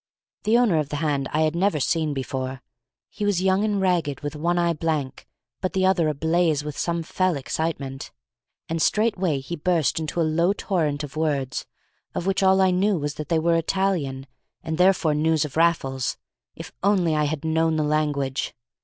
The owner of the hand I had never seen before. He was young and ragged, with one eye blank, but the other ablaze with some fell excitement. And straightway he burst into a low torrent of words, of which all I knew was that they were Italian, and therefore news of Raffles, if only I had known the language!